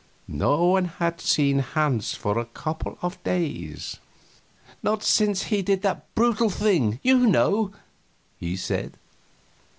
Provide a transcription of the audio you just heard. No one had seen Hans for a couple of days. "Not since he did that brutal thing, you know," he said.